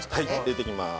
入れていきます。